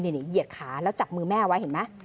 เหยียดขาแล้วจับมือแม่ไว้เห็นไหม